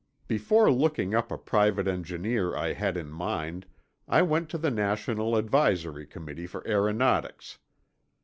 Before looking up a private engineer I had in mind, I went to the National Advisory Committee for Aeronautics.